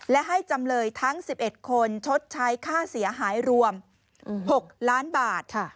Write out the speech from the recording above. และให้จำเลยทั้ง๑๑คนชดใช้ค่าเสียหายรวม๖ล้านบาท